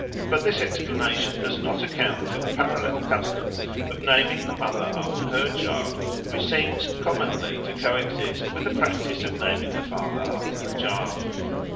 But this explanation does not account for the parallel custom of naming the mother after her child, which seems commonly to co exist with the practice of naming the father after the child.